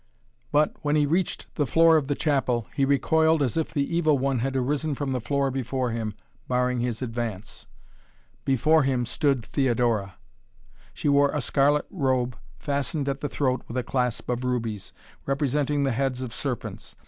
But, when he reached the floor of the chapel, he recoiled as if the Evil One had arisen from the floor before him, barring his advance. Before him stood Theodora. She wore a scarlet robe, fastened at the throat with a clasp of rubies, representing the heads of serpents.